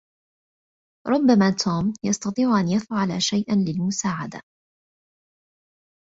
ربما توم يستطيع أن يفعل شيئاً للمساعدة.